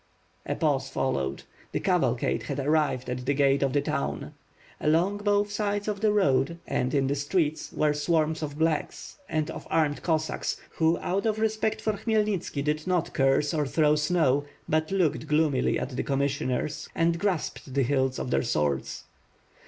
A pause followed. The cavalcade had arrived at the gate of the town. Along both sides of the road and in the streets were swarms of "blacks" and of armed Cossacks, who, out of respect for Khymelnitski, did not curse or throw snow, but looked gloomily at tlxe commissioners, clenched their fists, and grasped the hilts of their swords.